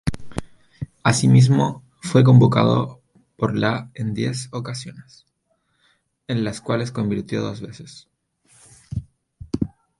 Asimismo, fue convocado por la en diez ocasiones, en las cuales convirtió dos veces.